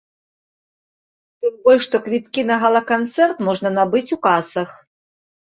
Тым больш, што квіткі на гала-канцэрт можна набыць у касах.